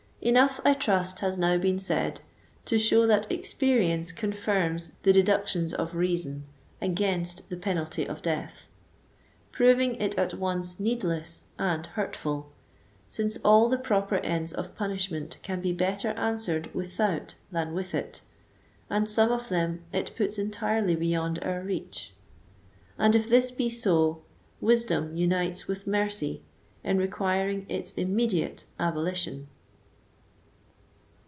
Enough, I trust, has now been said, to show that experience confirms the deductions of reason, against the penalty of death; proving it at once needless and hurtful, since all the proper ends of punishment can be better answered without than with it, and some of them it puts entirely beyond our reach. And if this be so, Wisdom unites with Mercy in requiring its immediate abolition.